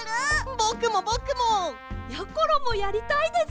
ぼくもぼくも！やころもやりたいです！